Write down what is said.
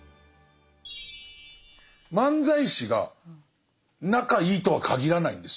漫才師が仲いいとはかぎらないんですよ。